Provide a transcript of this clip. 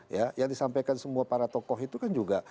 ya yang disampaikan semua para tokoh itu kan juga